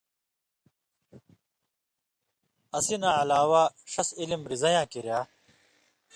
اسی نہ علاوہ ݜس علم رزَئین٘یاں کریا